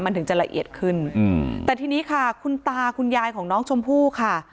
มันถึงจะละเอียดขึ้นอืมแต่ทีนี้ค่ะคุณตาคุณยายของน้องชมพู่ค่ะ